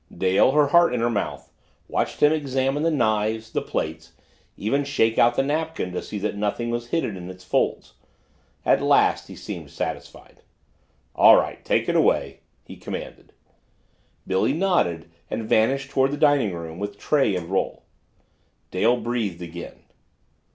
Dale, her heart in her mouth, watched him examine the knives, the plates, even shake out the napkin to see that nothing was hidden in its folds. At last he seemed satisfied. "All right take it away," he commanded. Billy nodded and vanished toward the dining room with tray and roll. Dale breathed again.